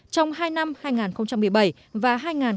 trong hai năm hai nghìn một mươi bảy và hai nghìn một mươi tám